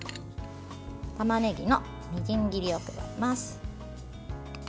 たまねぎのみじん切りを加えます。